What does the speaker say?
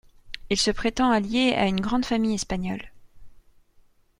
Il se prétend allié à une grande famille espagnole.